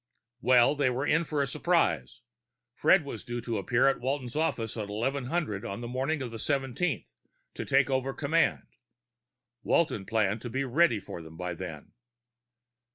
Well, they were in for a surprise. Fred was due to appear at Walton's office at 1100 on the morning of the seventeenth to take over command. Walton planned to be ready for them by then.